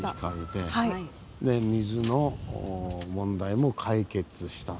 で水の問題も解決した。